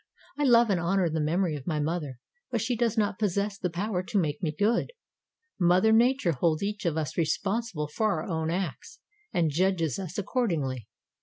I love and honor the memory of my mother, but she does not possess the power to make me good. Mother Nature holds each of us responsible for our own acts and judges us accordingly."